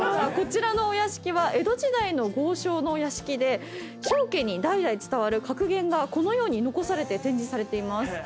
こちらのお屋敷は江戸時代の豪商のお屋敷で商家に代々伝わる格言がこのように残されて展示されています。